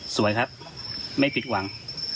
สวยครับไม่ผิดหวัง